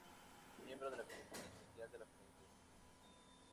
Miembro de la Comisión Especial de la Juventud.